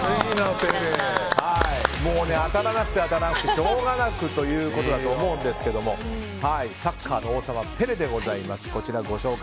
当たらなくて、当たらなくてしょうがなくということだと思うんですがサッカーの王様ペレでございます。